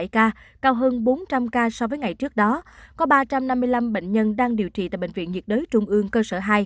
một mươi ca cao hơn bốn trăm linh ca so với ngày trước đó có ba trăm năm mươi năm bệnh nhân đang điều trị tại bệnh viện nhiệt đới trung ương cơ sở hai